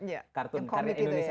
yang komik itu ya